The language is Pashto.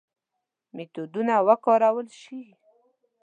میتودونه وکارول شي.